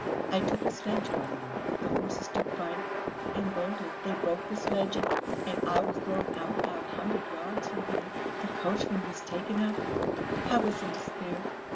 I took a sledge from there. The horses took fright and bolted, they broke the sledge, and I was thrown out about a hundred yards from here; the coachman was taken up; I was in despair.